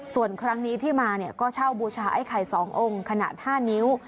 ส่วนครั้งนี้ที่มาเนี่ยก็เช่าบูชาไอ้ไข่๒องค์ขนาด๕นิ้ว